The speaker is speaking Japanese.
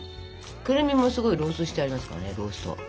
クルミもすごいローストしてありますからねロースト。